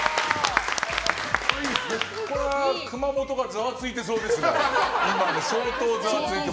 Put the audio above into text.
これは熊本がざわついてそうですね。